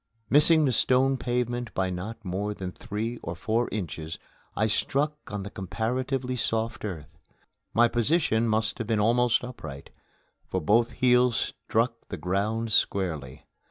Missing the stone pavement by not more than three or four inches, I struck on comparatively soft earth. My position must have been almost upright, for both heels struck the ground squarely.